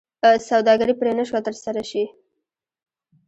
سوداګري پرې نه شوه ترسره شي.